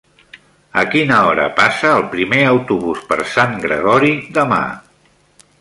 A quina hora passa el primer autobús per Sant Gregori demà?